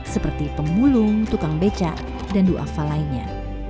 seperti pembulung tukang beca dan dua fal lainnya